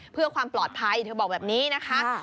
เพื่อความปลอดภัยเธอบอกแบบนี้นะคะ